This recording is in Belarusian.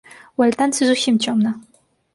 У альтанцы зусім цёмна.